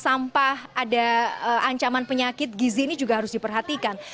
sampah ada ancaman penyakit gizi ini juga harus diperhatikan